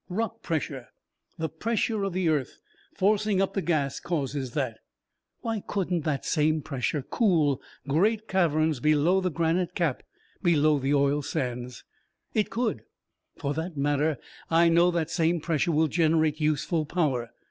"Rock pressure the pressure of the earth forcing up the gas, causes that. Why couldn't that same pressure cool great caverns below the granite cap below the oil sands? It could. For that matter, I know that same pressure will generate useful power.